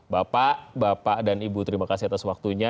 bapak bapak dan ibu terima kasih atas waktunya